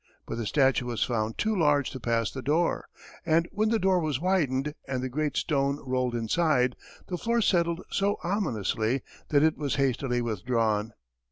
But the statue was found too large to pass the door, and when the door was widened and the great stone rolled inside, the floor settled so ominously that it was hastily withdrawn.